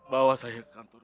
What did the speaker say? bawa saya ke kantor